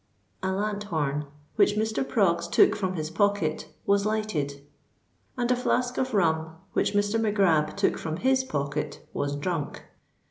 A lanthorn, which Mr. Proggs took from his pocket, was lighted; and a flask of rum, which Mr. Mac Grab took from his pocket, was drunk.